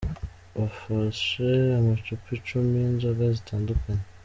Bafashe amacupa icumi y'inzoga zitandukanye.